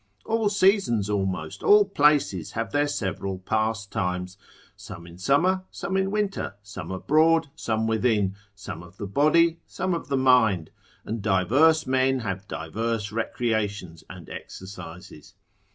All seasons almost, all places, have their several pastimes; some in summer, some in winter; some abroad, some within: some of the body, some of the mind: and diverse men have diverse recreations and exercises.